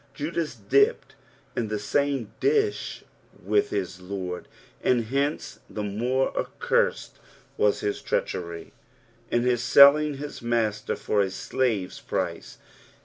Judos dipped in the same dish with his Lord, and hence the more accursed wns his treachery in his selling his Master for a slave's price.